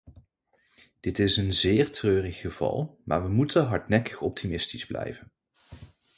Dit is een zeer treurig geval, maar we moeten hardnekkig optimistisch blijven.